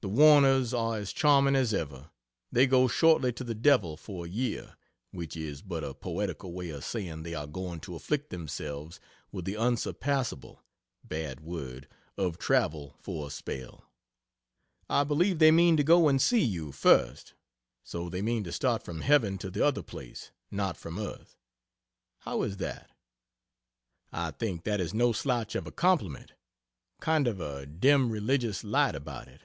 The Warners are as charming as ever. They go shortly to the devil for a year (which is but a poetical way of saying they are going to afflict themselves with the unsurpassable (bad word) of travel for a spell.) I believe they mean to go and see you, first so they mean to start from heaven to the other place; not from earth. How is that? I think that is no slouch of a compliment kind of a dim religious light about it.